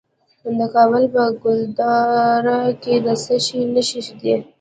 د کابل په ګلدره کې د څه شي نښې دي؟